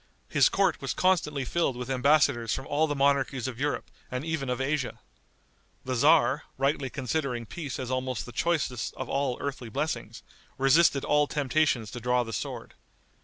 His court was constantly filled with embassadors from all the monarchies of Europe and even of Asia. The tzar, rightly considering peace as almost the choicest of all earthly blessings, resisted all temptations to draw the sword.